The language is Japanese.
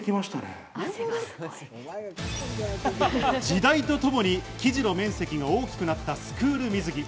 時代とともに生地の面積が大きくなったスクール水着。